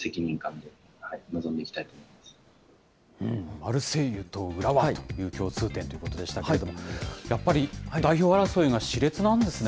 マルセイユと浦和という共通点ということでしたけれども、やっぱり代表争いがしれつなんですね。